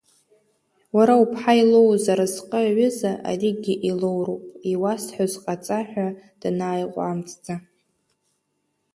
Уара уԥҳа илоуз аразҟы аҩыза аригьы илоуроуп, иуасҳәаз ҟаҵа, ҳәа данааиҟәамҵӡа…